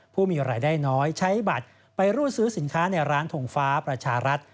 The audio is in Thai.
ผู้มีรายได้น้อยใช้บัตรไปรูดซื้อสินค้าในร้านทงฟ้าประชารัฐ